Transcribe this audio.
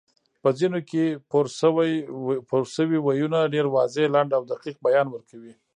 په ځینو کې پورشوي ویونه ډېر واضح، لنډ او دقیق بیان ورکوي